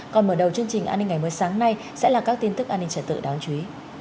còn mở đầu chương trình an ninh ngày mới sáng nay sẽ là các tin tức an ninh trật tự đáng chú ý